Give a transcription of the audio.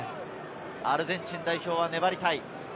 アルゼンチン代表は粘りたい。